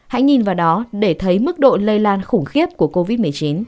hãy nhìn vào đó để thấy mức độ lây lan khủng khiếp của covid một mươi chín